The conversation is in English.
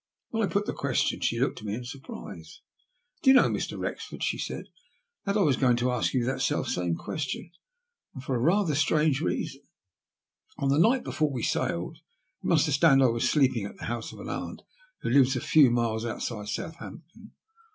Wlien I put the question she looked at xne in surprise. Do you know, Mr. Wrexford," she said, that I was going to ask you that self same question ? And for rather a strange reason. On the night before we sailed, you must understand, I was sleeping at the house of an aunt who lives a few miles outside South ampton.